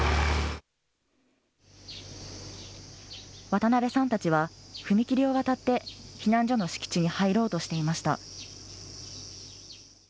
渡邊さんたちは踏切を渡って、避難所の敷地に入ろうとしていました。